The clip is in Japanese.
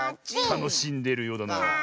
たのしんでいるようだな。